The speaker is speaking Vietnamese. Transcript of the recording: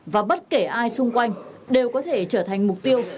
và bất kể ai xung quanh đều có thể trở thành mục tiêu